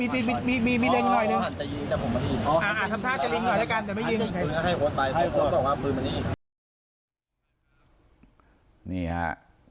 ทำท่าจะลิงค์หน่อยด้วยไปกัน